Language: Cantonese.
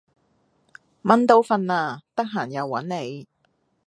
蚊都瞓喇，得閒又搵你